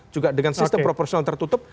juga dengan sistem proporsional tertutup